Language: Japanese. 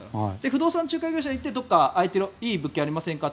不動産仲介業者に行ってどこか空いているいい物件ありませんか？